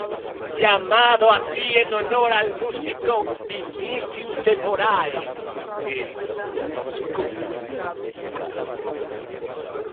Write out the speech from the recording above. Llamado así en honor al músico Vinícius de Moraes, es la mascota olímpica.